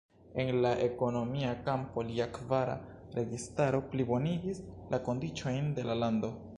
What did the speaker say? En la ekonomia kampo, lia kvara registaro plibonigis la kondiĉojn de la lando.